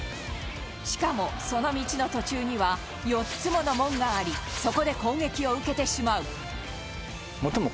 しかも、その道の途中には４つもの門がありそこで攻撃を受けてしまうもっとも